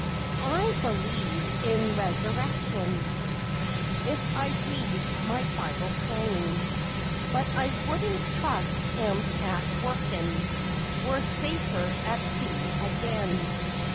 I believe in the Resurrection, if I read my Bible plain, But I wouldn't trust 'em at Wokin'; we're safer at sea again.